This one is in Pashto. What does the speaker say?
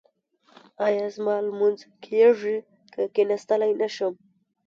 ایا زما لمونځ کیږي که کیناستلی نشم؟